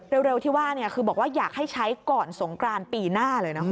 เร็วที่ว่าคือบอกว่าอยากให้ใช้ก่อนสงกรานปีหน้าเลยนะคุณ